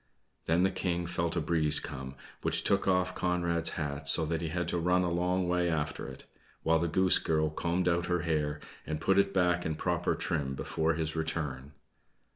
Then the King felt a breeze come, which took off Conrad's hat, so that he had to run a long way after it; while the Goose Girl combed out her hair and put it back in proper trim before his return.